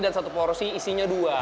dan satu porsi isinya dua